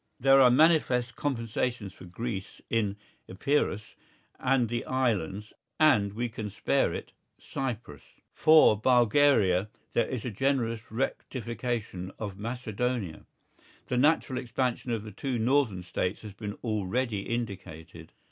There are manifest compensations for Greece in Epirus and the islands and—we can spare it—Cyprus. For Bulgaria there is a generous rectification of Macedonia. The natural expansion of the two northern States has been already indicated.